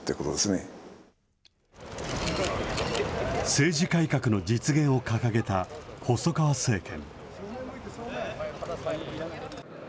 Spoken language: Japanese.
政治改革の実現を掲げた細川政権。